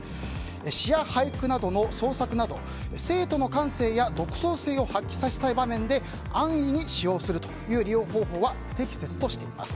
詩や俳句などの創作など生徒の感性や独創性を発揮させたい場面で安易に使用するという利用方法は不適切としています。